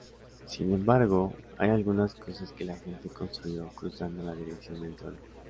Sin embargo, hay algunas casas que la gente construyó cruzando la dirección del sol.